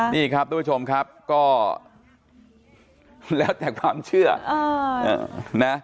นี่ครับทุกผู้ชมครับก็แล้วแต่ความเชื่อนะ